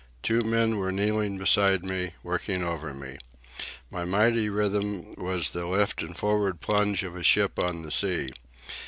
Two men were kneeling beside me, working over me. My mighty rhythm was the lift and forward plunge of a ship on the sea.